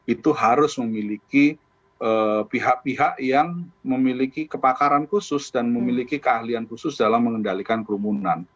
itu harus memiliki pihak pihak yang memiliki kepakaran khusus dan memiliki keahlian khusus dalam mengendalikan kerumunan